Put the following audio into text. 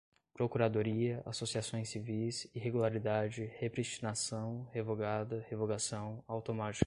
procuradoria, associações civis, irregularidade, repristinação, revogada, revogação, automática